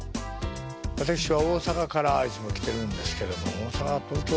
私は大阪からいつも来てるんですけども大阪東京